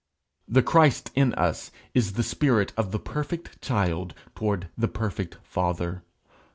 The Christ in us, is the spirit of the perfect child toward the perfect father.